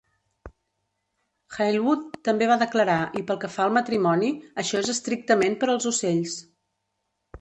Hailwood també va declarar i pel que fa al matrimoni, això és estrictament per als ocells!